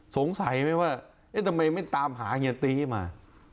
สงสัยไหมว่าเอ๊ะทำไมไม่ตามหาเฮียตี้มา